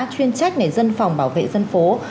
chuyên trách này dân phòng bảo vệ dân phố